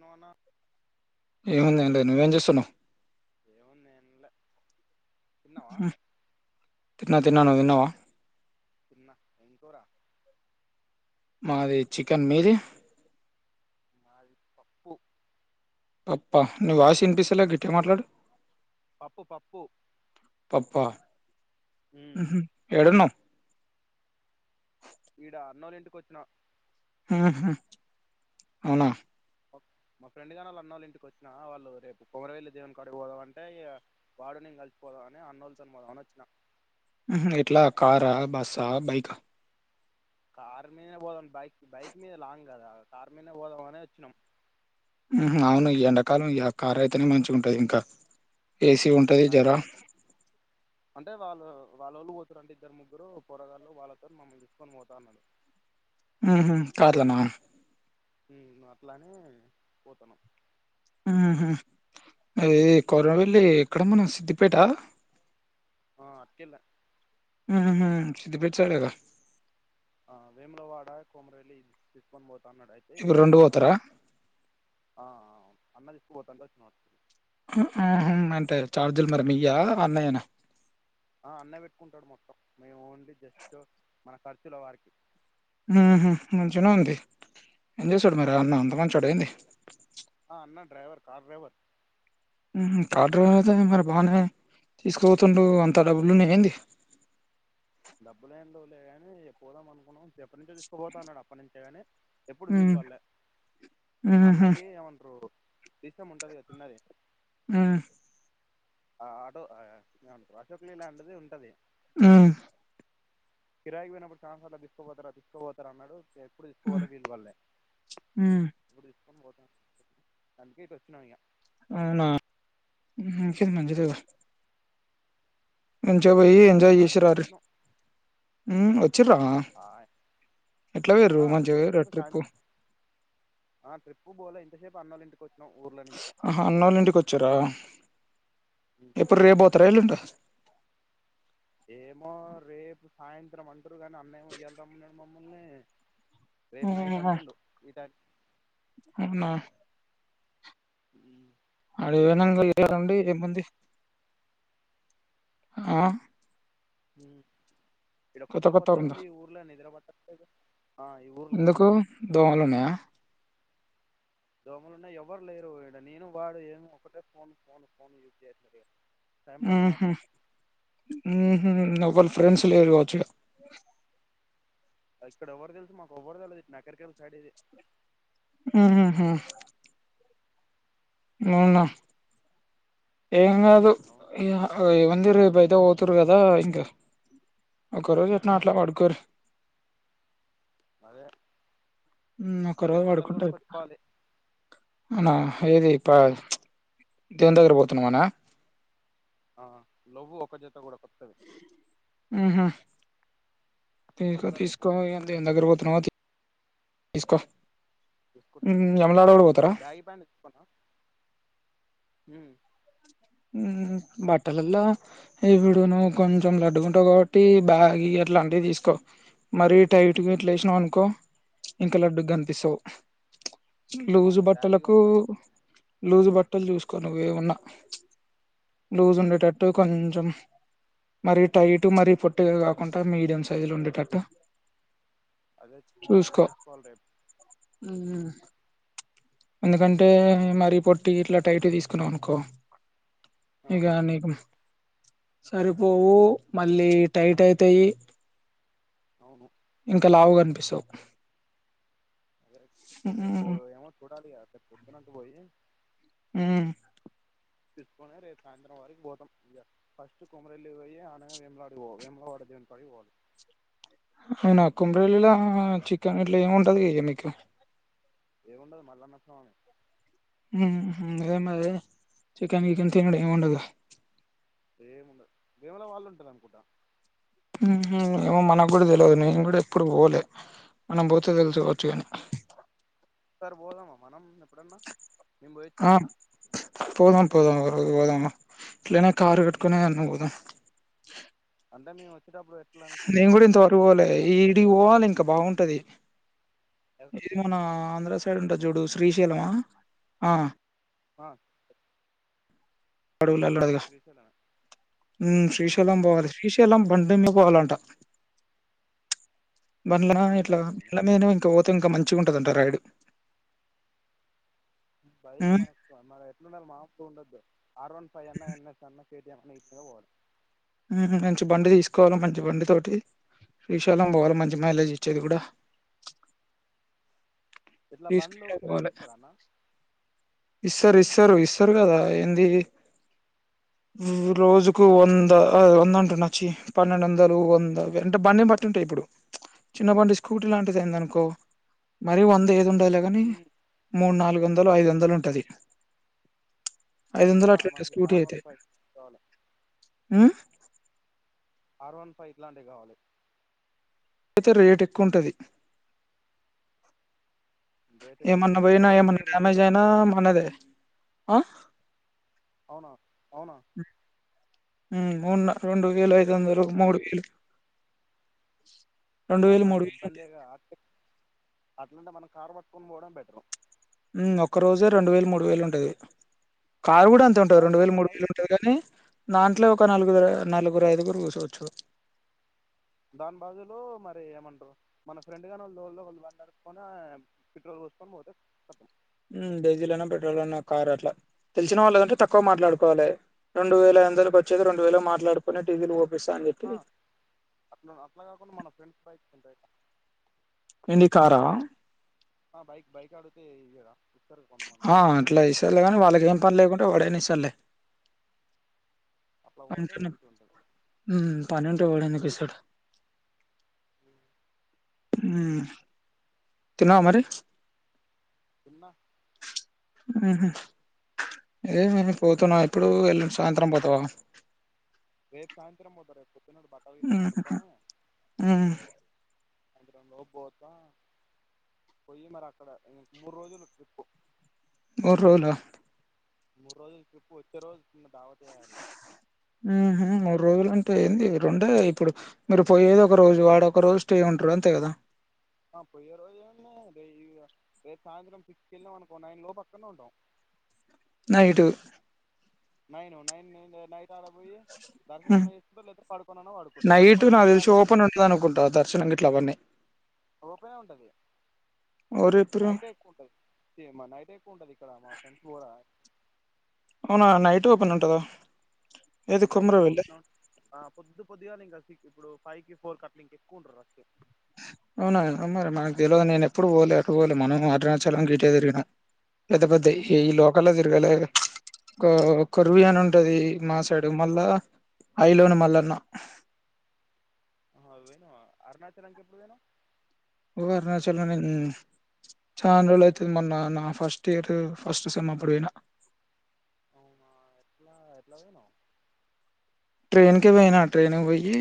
No అన్నా ఏముంది ఎంలేదు. నువ్వేం చేస్తున్నవు? ఎముంది ఎంలే తిన్నవా. తిన్న, తిన్నా. నువ్వు తిన్నవా? తిన్నా. ఎంకూర? మాది చికెన్. మీది? మాది పప్పు పప్పా నీ వాయిస్ వినిపిస్తలే గట్టిగా మాట్లాడు. పప్పు పప్పు ఉమ్. హుహ్ ఏడున్నవ్? కొచ్చినా ఆహా అవునా. ఓ మా ఫ్రెండ్ గాని అనోళ్ళ ఇంటికొచ్చినా. వాళ్ళు రేపు కొమరవెల్లి దేవుని కాడికి పోదాం అంటే ఇగా వాడు నేను కలిసిపోదాం అని అనోళ్ళతో పోదాం అని అచ్చినా. హుహ్ ఎట్లా కారా, బస్సా, బైకా. కార్ మీదనే పోదాం. బైక్ బైక్ మీద లాంగ్ కదా, కార్ మీదనే పోదాం అనే వచ్చినం. హుహ్ అవును ఈ ఎండాకాలం యా కారయితేనే మంచిగా ఉంటది ఇంకా. ఏసీ ఉంటది ఉమ్, అంటే జరా వాలోళ్ళు పోతారంట ఇద్దరు ముగ్గురు పోరగాళ్ళు. వాళ్ళతోని మమ్మల్ని తీసుకొని పోతా అన్నరు. ఉహు కార్లనా. ఉ అట్లానే పోతన్నం. హుహ్ ఇది కొమురవెల్లి ఎక్కడ మన సిద్దిపేటా? ఆ అటుకెల్లె హుహ్ సిద్దిపేట సైడేగా ఆ వేములవాడ, కొమురవెల్లి తీసుకొని పో తన్నడు అయితే ఇటు ఇప్పుడు వచ్చినం రెండు అన్నా పోతారా ఆ అన్న తీసుకు పోతంటే వచ్చినం. అంటే చార్జీలు మరి మీయా అన్నయేన. ఆ అన్నె పెట్టుకుంటడు మొత్తం. మేము ఓన్లీ జస్ట్ మన ఖర్చుల వరికి. హుహ్ మంచిగనే ఉంది. ఏం చేస్తాడు మరి అన్న అంత మంచోడా ఎంది ఆ అన్న driver car driver car driver అయితే మరి బాగానే తీసుకుపోతుండు అంత డబ్బులున్నాయేంది డబ్బులేం పోలే ఇగ పోదాం అనుకున్నాం ఎప్పటి నుంచో తీసుకుపోతా అన్నాడు అప్పటి నుంచే గాని ఎప్పుడు ఉమ్ వీలు పళ్లే ఉహు అన్నకి ఏమంటారు. డీసీఎం ఉంటది కదా చిన్నది ఆ ఆ ఏం అంటారు [unintelligible] లాంటిది ఉంటది. ఆ కిరాయికి పోయినప్పుడు చానా సార్లు తీసుకుపోతారా తీసుకోపోతారా అన్నాడు ఇగ ఎప్పుడు తీసుకోవాలో వీలు బల్లె ఉమ్ ఇప్పుడు అందుకే ఇటు వచ్చినం ఇగ అవునా ఇంకేం ఇక మంచిదెగ మంచిగా పోయి ఇంతసేపు వచ్చినాం ఎంజాయ్ చేసి సాయంత్రం రార్రి వచ్చినాం వచ్చిర్రా ఆ, ఎట్లా పోయిర్రు ఆహా మంచిగా పొయ్యిర్రా ఇంతసేపు ట్రిప్పు సాయంత్రం ఆ ట్రిప్పు పోలె ఇంతసేపు ఇన్నోళ్ల ఇంట్ల నే ఆహా అన్నోళ్ళ ఇంటికి వచ్చార్రా ఎప్పుడు రేపోతారా ఎల్లుండా ఏమో రేపు సాయంత్రం అంటుంర్రు కానీ అన్న ఏమో ఇయ్యల రమ్మన్నాడు మమ్మలిని రేపు నైట్ అంటుండు ఈ టైమ్ కీ అవున ఉ ఆడికి పోయినంక [unintelligible] ఏమంది ఆ ఉం ఇడ కొత్త కొత్తగా కొత్త ఉందా ఉంది ఈ ఊర్లో నిద్రపట్టట్లేదు అ ఈ ఊర్ల ఎందుకు దోమలున్నాయా దోమలు ఉన్నా ఎవరు లేరు ఈడ నేను వాడు ఏమో ఒకటే ఫోన్ ఫోన్ ఫోన్ యూజ్ చేతడే ఉహు ఉహు నవ్ వాళ్ళ ఫ్రెండ్స్ లేరుకావచ్చు ఇడ ఇక్కడ ఎవ్వరు తెల్స్ మాకు ఒవ్వరి తెల్ది ఇనసర్కల్ సైడ్ ఇది ఆహా అవునా ఉమ్, ఏంకాదు అవును ఏముంది రేపైతే పోతురు కదా ఇంగ ఒకరోజు ఎన్లో ఆట్లా పడుకోర్రి అదే ఒక రోజు రేపు బట్టలు పడుకుంటె ఐపోయే కొనుక్కొచ్చుకోవాలి అవునా ఏది ప్ప ప్చ్ దేవున్ దగర్ పోతు నమానా ఆ నువ్వు ఒక జత గూడా ఆహా తీసుకొ కొంత రేపు తీసుకో ఇగ దేవున్ దగ్గరపోతున్నావ్ తీసుకో తీసుకుంటా ఉమ్, యమలాడ కూడా పోతారా ఒక బ్యాగి ప్యాంట్ ఇసుకున్నా ఊమ్ ఉమ్ బట్టలల్ల ఇప్పుడు నువు కొంచెం లడ్డుగుంటావు గాబట్టి బ్యాగీ అట్లాంటి తీసుకో మరి టైట్ ఇట్లేషినుకో ఇంకా లడ్డు గనిపిస్తవ్ లూజు అవును బ్యాగి బట్టలకు కొంటా లూజు బట్టలు దీసుకో నువ్వేవున్న లూజ్ ఉండేటట్టు కొంచెం మరి టైట్ మరి పొట్టిగా గాకుండా మీడియం సైజు లో ఉండేటట్టు అదే అవే చూసుకో తీసుకోవాలి రేప్ ఉమ్ ఎందుకంటే మరి పొట్టి ఇట్లా టైట్ తీసుకున్నావు అనుకో ఆ ఇగ నీకు సరిపోవు మళ్ళీ టైట్ అయితాయి అవును ఇంక లావు కనిపిస్తావు రేేప్ రేపు బో ఎమో చుడాలిగ, రేపు పొద్దున్న అటు బోయి ఉమ్ తీసుకొనే రేపు సాయంత్రం వరికి పోతం ఇగ ఫస్ట్ కొమరల్లి పోయి ఆనగా వెములవాడ పోవాలి వేములవాడ దేవున్ కాడికి పోవలే అవున కొమరవెల్లిల చికెన్, ఇట్లా ఏమి ఉంటది ఏయనీకి. ఏంముండది మల్లన్న స్వామి ఉహ్మ్ ఎమ్ముందదే చికెన్ గికెన్ తిన్నుడు ఏముండదా ఏముండది వేములవాడ లో ఉంటది అనుకుంట ఉహు ఏమో మనకు కూడా తెల్వది. నేను గూడా ఎప్పుడు పోలే మనం బోతే తెలుసుకోవచ్చు గని. ఒకసారి బోధమ్మా, మనం ఎప్పుడన్నా మేం బోయిచ్చినాక. పోదాం పోదాం ఒకరోజు బోదాము ఎట్లన కారు కట్టుకునే అన్నా పోదాం అంటే మేము వచ్చేటపుడు పోయ్ నేను గూడా ఇంతవరకు పోలే, ఈడి పోవాలే ఇంకా బాగుంటది. ఎది ఎక్కడికి మన ఆంధ్ర సైడ్ ఉంటది, జూడు శ్రీశైలమా ఆ. ఆ అవును శ్రీశైలమే ఉమ్ శ్రీశైలం బోవాలి, శ్రీశైలం బండిమే పోవాలంట. బండ్లమే ఇట్లా బైక్ బల మీనా మీద, ఇంకా పోతే ఇంకా మంచిగుంటదంట రైడు. బైకి మనకు మన ఎట్లుండాలి, మాస్తో ఉండదు. ఆర్ వన్ ఫైవ్ అన్న ఎన్ఎస్ అన్నా కేటీఎం అన్న ఇచ్చిన పోవచ్చు ఉమ్ మంచి బండి తీసుకోవాలి మంచి బండి తోటి శ్రీశాలం బోవాలి మంచ్ మంచి మైలేజ్ ఇచ్చేది గూడా ఉమ్, ఇట్లా బండ్లు తీసుకునే కిరైకి పోవాలె. ఇస్తార అన్న. ఇస్తారు ఇస్తారు ఇస్తారు, కదా ఏంది ఉమ్ రోజుకు వంద. ఒ వంద అంటున చి పన్నెండు ఒందలు, ఒంద అంటే బండిని బట్టి ఉంటాయి ఇప్పుడు. చిన్న బండి స్కూటీ లాంటిది అయింది అనుకో మరి వంద ఏయ్ ఉండదులే గాని ఉమ్, మూడు, నాలుగు వందలు, ఐదు వందలు ఉంటది. ఆహా అట్లుంటది మనకి ఇప్పుడు స్కూటీ ఆర్ వన్ ఫైవ్ కావాలే ఉహ్మ్ ఆర్ వన్ ఫైవ్ ఇట్లాంటివి కావాలి. అయితే రేట్ ఎక్కువ ఉంటది. రేట్ ఎక్కువనా ఏమన్నా ఒక బొయినా, రోజుకి ఏమన్నా రెండు వేలు డ్యామేజ్ అయినా అట్లుంటుందా మనదే. అ అవునా, అవునా ఉమ్మ్ ఉన్న రెండు వేల ఐదువందలు, మూడు వేలు. వో అట్లాంటి ఇబ్బందేగా, అట్లాంటే మనం కారు పట్టుకొని పోవడం బెటర్. ఒక్క రోజు రెండు వేలు, మూడు వేలు ఉంటది. కారు కూడా అంతే ఉంటది రెండు వేలు, దానికంటే మూడు వేలు బైక్ ఉంటది, గాని దాంట్లో ఒక నలుగుర్, నలుగురు, ఐదుగురు కూర్చొచ్చు. చో దాని బదులు మరి ఏమంటారు మన ఫ్రెండ్ గానీ తొలోలు వోళ్ళు బకతే పెట్రోల్ పోసుకొని పోతే కతం డీజిల్ అనా, పెట్రోల్ అనా, కార్ అట్లా తెలిసిన వాళ్లదంటే తక్కువ మాట్లాడుకోవాలి. రెండు వేల ఐదువందలకి వచ్చేది రెండు వేలకి మాట్లాడుకుని డిసిల్ పోపి ఆహా అట్లా అట్లా కాకుండా మన ఫ్రెండ్స్ బైక్స్ ఉంటాయ్ ఎంటి కారా పేయిగా ఆ అట్లా ఇస్తార్లే కానీ వాళ్ళకి ఏం పని లేకుంటే వాడైన ఇస్తార్లే. అట్లా పోతే అంతేలే మంచిగా ఉంటది హుమ్మ్ పనుంటే ఎవడు ఎందుకు ఇస్తాడు మ్మ్ తిన్నావ మరి తిన్నా మ్మ్ హు లేదు మళ్ళీ పోతున్నా ఇప్పుడు ఎల్లుండి సాయంత్రం పోతావా రేపు సాయంత్రం పోత రేప్ పొద్దున ఉండి బట్టలు గిట్ల హుహుహు. కొనుక్కుని హ్మ్. స్రాయంత్రం లోపు బోత పోయి మరి అక్కడ ఇ మూడు రోజులు లకి ట్రిప్పు మూడు రోల మూడు రోజుల ట్రిప్పు వచ్చే రోజు కింద దావత్తు ఇయాలిగా రోలు అంటే ఎంది రెండే ఇప్పుడు మీరు పోయేది ఒక రోజు ఆడొ ఒక రోజు స్టే ఉంట్రు అంతే కదా ఆ పోయ్యే రోజు ఏముంది డెయిగ రేపు సాయంత్రం సిక్స్కి ఎళ్ళాం అనుకో నైన్ లోపు అక్కనే ఉంటాం నైటు నైను నైన్ నిజె నైట్ కడ పోయి దర్శన హ్మ్. అన్న చేసుకుంటం లేతే పడుకొనన్న పడుకుంటాం నైటు పొద్దున దర్ గిట్లావన్ని ఓపెనే ఉంటది ఓరిప్పుడు! నైట్ ఎక్కువ ఉంటది మరి నైట్ ఎక్కువ ఉంటది ఇక్కడ మా ఫ్రెండ్స్ కూడా అవునా నైట్ ఓపెన్ ఉంటందా నైట్ ఓపెన్ ఆ పొద్దు పొదుగాలె ద ఇప్పుడు ఫైవ్ కి ఫోర్ కట్ల ఇంక ఎక్కువ ఉంట్రు అచ్చే అవునా మరి మాకు ద్వెల నేను ఎప్పుడు ఓలే రోలే మనం అరుణచలం డిటేరుగ పెద్ద పెద్ద అవునా ఈ లోకల్లో తిరిగాలే గ ఒక కొరువి అని ఉంటది మా సైడ్ మళ్ళా ఐలోన మళ్ళన్న ఏంది నువ్వు అరుణాచలం కి ఎప్పుడు పోయినవ్ నువ్వు అరుణచలం మ్ చాల రోలు అయితుంది మొన్న నా ఫస్ట్ ఇయర్ ఫస్ట్ సెమ్ అప్పుడు ఓయిన అవునా ఎట్లా ఎట్లా పోయినవ్ ట్రైన్కే పోయినా ట్రైన్కి ఒయ్యి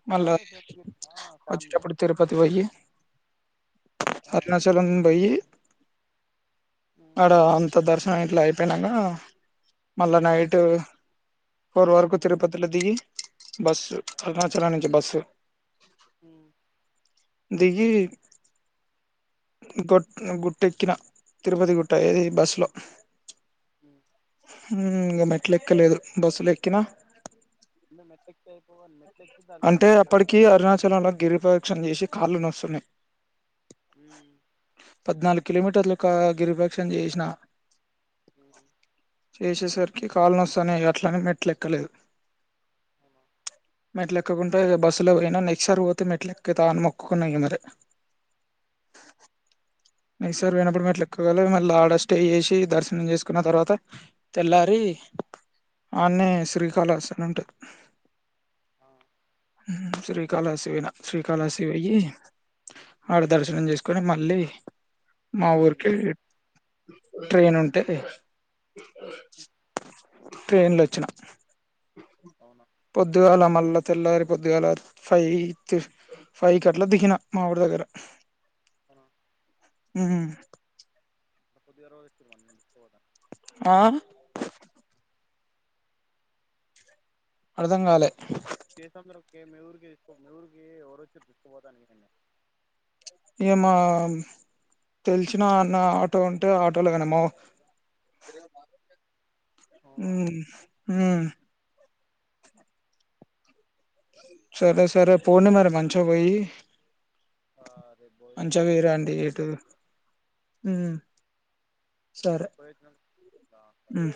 వస్తారా మళ్ళా మీ ఫ్రెండ్స్ ఆ ఫ్యామిలీ వచ్చేటప్పుడు తిరుపతి పోయ్యి ఆ అరుణాచలం బొయ్యి ఉమ్ ఆడ అంత దర్శనం ఇట్లా అయిపోయినాన మళ్ళా ఉమ్ నైట్ ఫోర్ వరకు ఉమ్ తిరుపతిలో దిగి బస్సు అరుణాచలం నుంచి బస్సు మ్ దిగీ గొ గుట్టెక్కిన తిరుపతి గుట్ట ఏది బస్సులో ఉమ్ మ్ ఇంక మెట్లు ఎక్కలేదు బస్సులు ఎక్కిన కింద మెట్లేక్కితే అయిపోవుగాన్లే అంటే అప్పటికి అరుణాచలంలో గిరి ప్రదక్షిణ చేసి కాళ్లు నొస్తున్నాయి ఉమ్ పద్నాలుగు కిలోమీటర్లు ఒక గిరి ప్రదక్షిణ జేసిన మ్మ్ లేసేసరికి కాళ్లు నొస్సనాయి అట్లనే మెట్లెక్కలేదు అవునా మెట్లు ఎక్కకుంటే బస్సులో పోయినా నెక్స్ట్ సారి పోతే మెట్లు ఎక్కుత అని మొక్కుకున్నా ఇంగ మరి మ్మ్ నెక్స్ట్ సారి పోయినప్పుడు మెట్లు ఎక్కాలి మళ్లీ ఆడ స్టే చేసి దర్శనం చేసుకున్న తర్వాత తెల్లారి ఆన్నే శ్రీకాళహస్తి అని ఉంటది ఆ మ్ శ్రీకాళహస్తి ఓయిన శ్రీకాళహస్తి ఓయి ఆడ హ్మ్. దర్శనం చేసుకొని మ ళ్లీ మా హ్మ్. ఊరికి ట్రైన్ ఉంటే ట్రైన్ల వచ్చిన అవునా! పొద్దుగాల మ ల్ల తెల్లారి పొద్దుగాల ఫైవ్ ఫైవ్కి అట్లా దిగిన మా ఊరి దగ్గర అహా మ్ అంత పోద్దుగాల [unintelligible] ఆ అర్థం కాలే కేసముద్రం కి మీ ఊరికి తీసుకో మీ ఊరికి ఎవరోచ్చిరు తీసుకుపోతానికీ నిన్ను మా తెలిసిన అన్న ఆటో ఉంటే ఆటోలో పోయినము [unintelligible] అవునా! ఉమ్ ఉమ్ సరే రేపు సరే పోండి మరి రేపు మంచిగా పోయి ఆహ్, రేపు బోయి మంచిగా పోయిరాండి ఫోను ఎటు చేస్తాలే మ్ సరే పోయొచ్చినంక చెప్తా సరే. మ్